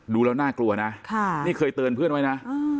ดูแล้วน่ากลัวนะนี่เคยเตือนเพื่อนไว้นะ